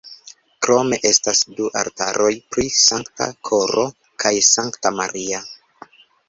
Krome estas du altaroj pri Sankta Koro kaj Sankta Maria.